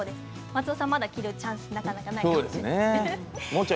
松尾さん、まだ着るチャンスはなかなかないですね。